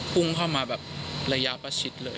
พุ่งเข้ามาแบบระยะประชิดเลย